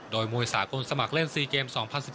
โดยมวยสากลสมัครเล่น๔เกม๒๐๑๙